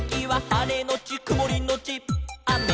「はれのちくもりのちあめ」